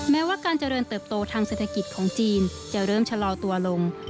แม้ว่าการเจริญเติบโตทางเศรษฐกิจของจีนจะเริ่มชะลอตัวลง